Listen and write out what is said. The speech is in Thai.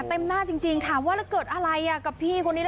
เต็มหน้าจริงถามว่าแล้วเกิดอะไรกับพี่คนนี้